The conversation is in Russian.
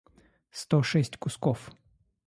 сто шесть кусков